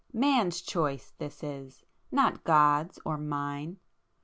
Man's choice this is—not God's or mine!